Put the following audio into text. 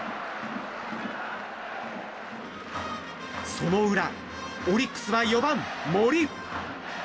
その裏、オリックスは４番、森。